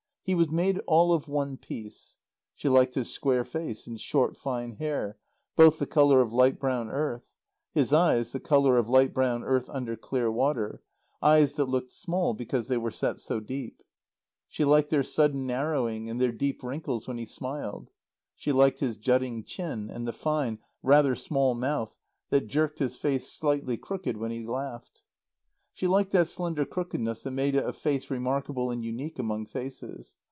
He was made all of one piece. She liked his square face and short fine hair, both the colour of light brown earth; his eyes, the colour of light brown earth under clear water; eyes that looked small because they were set so deep. She liked their sudden narrowing and their deep wrinkles when he smiled. She liked his jutting chin, and the fine, rather small mouth that jerked his face slightly crooked when he laughed. She liked that slender crookedness that made it a face remarkable and unique among faces.